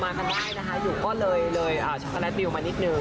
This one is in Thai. กันได้นะคะอยู่ก็เลยช็อกโกแลตบิลมานิดนึง